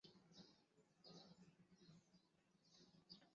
蒂兰人口变化图示